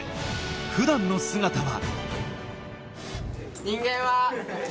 普段の姿は。